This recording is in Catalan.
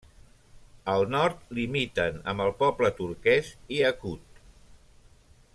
Al nord limiten amb el poble turquès iacut.